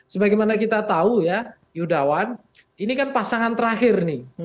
sebagaimana kita tahu ya yudawan ini kan pasangan terakhir nih